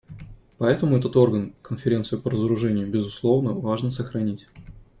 Поэтому этот орган, Конференцию по разоружению, безусловно, важно сохранить.